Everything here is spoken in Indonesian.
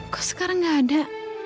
kok sekarang gak ada